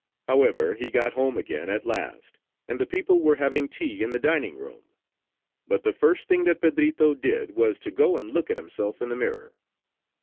However, he got home again at last, and the people were having tea in the dining room. But the first thing that Pedrito did was to go and look at himself in the mirror.